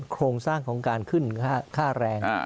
โครงสร้างของการขึ้นค่าแรง